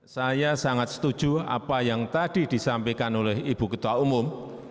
saya sangat setuju apa yang tadi disampaikan oleh ibu ketua umum